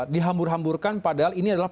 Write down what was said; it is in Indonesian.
dihambur hamburkan padahal ini adalah